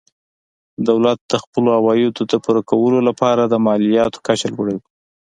دولت د خپلو عوایدو د پوره کولو لپاره د مالیاتو کچه لوړوي.